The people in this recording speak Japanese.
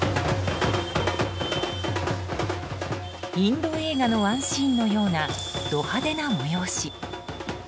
インド映画の１シーンのようなド派手な催し。